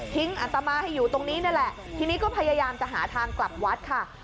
อัตมาให้อยู่ตรงนี้นี่แหละทีนี้ก็พยายามจะหาทางกลับวัดค่ะ